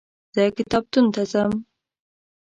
زه کتابتون ته ځم.